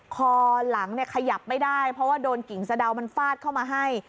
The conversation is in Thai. คอหลังเนี่ยขยับไม่ได้เพราะว่าโดนกิ่งสะดาวมันฟาดเข้ามาให้